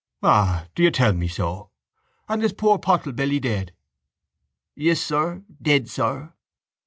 —Ah, do you tell me so? And is poor Pottlebelly dead? —Yes, sir. Dead, sir.